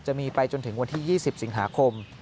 จะมีไปจนถึงวันที่๒๐สิงหาคม